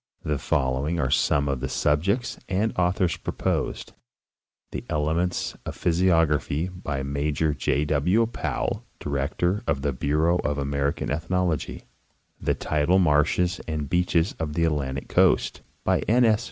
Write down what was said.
The following are some of the subjects and authors proposed : The elements of physiography, by Major J. W. Powell, director of the Bureau of American Ethnology ; The tidal marshes and beaches of the Atlantic coast, by N. S.